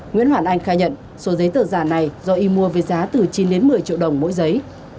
nguyễn hoàn anh khai nhận số giấy tờ giả này do y mua với giá từ chín đến một mươi triệu đồng mỗi giấy